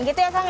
gitu ya kang ya